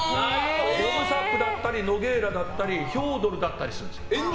ボブ・サップだったりノゲイラだったりヒョードルだったりするんです。